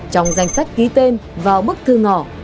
trong danh sách ký tên vào bức thư ngỏ